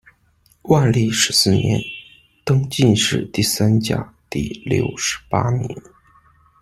万历十四年，登进士第三甲第六十八名。